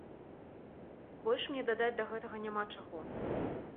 Больш мне дадаць да гэтага няма чаго.